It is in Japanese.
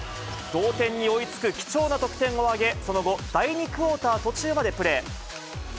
同点に追いつく貴重な得点を挙げ、その後、第２クオーター途中までプレー。